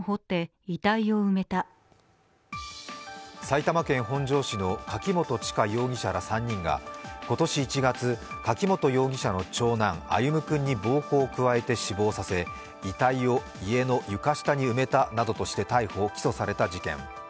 埼玉県本庄市の柿本知香容疑者ら３人が今年１月、柿本容疑者の長男・歩夢君に暴行を加えて死亡させ遺体を家の床下に埋めたなどとして逮捕・起訴された事件。